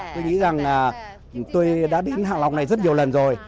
tôi nghĩ rằng là tôi đã đến hạ long này rất nhiều lần rồi